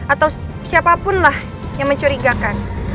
atau siapapun lah yang mencurigakan